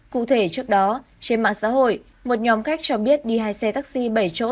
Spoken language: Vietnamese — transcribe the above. cụ thể trước đó trên mạng xã hội một nhóm khách cho biết đi hai xe taxi bảy chỗ